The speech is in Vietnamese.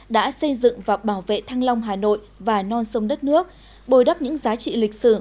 đã xây dựng và bảo vệ thăng long hà nội và non sông đất nước bồi đắp những giá trị lịch sử